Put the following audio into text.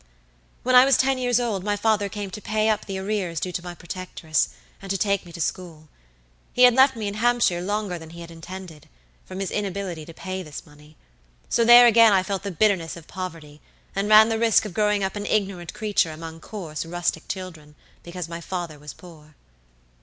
"When I was ten years old my father came to pay up the arrears due to my protectress, and to take me to school. He had left me in Hampshire longer than he had intended, from his inability to pay this money; so there again I felt the bitterness of poverty, and ran the risk of growing up an ignorant creature among coarse rustic children, because my father was poor."